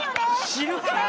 知るか！